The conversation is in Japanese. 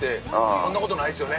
そんなことないですよね。